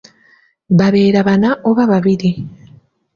Babeera bana oba babiri.